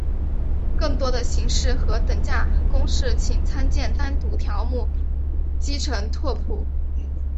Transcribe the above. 更多的形式和等价公式请参见单独条目乘积拓扑。